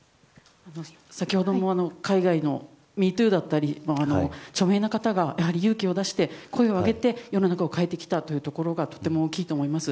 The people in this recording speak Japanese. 先ほども海外のミートゥーだったり著名な方が勇気を出して声を上げて世の中を変えてきたというところが大きいと思います。